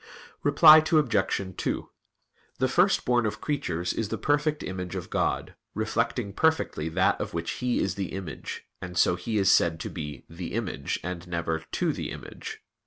Reply Obj. 2: The First Born of creatures is the perfect Image of God, reflecting perfectly that of which He is the Image, and so He is said to be the "Image," and never "to the image."